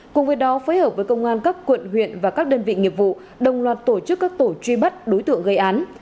cùng với đó phối hợp với công an các quận huyện và các đơn vị nghiệp vụ đồng loạt tổ chức các tổ truy bắt đối tượng gây án